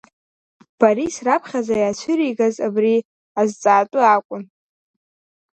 Борис раԥхьаӡа иаацәыригаз абри азҵаатәы акәын.